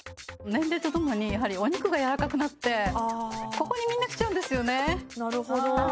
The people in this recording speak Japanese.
年齢とともにお肉がやわらかくなってここにみんなきちゃうんですよね